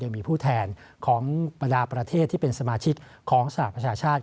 ผู้แทนของบรรดาประเทศที่เป็นสมาชิกของสหประชาชาติ